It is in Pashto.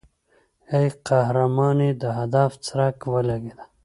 ای قهرمانې د هدف څرک ولګېد.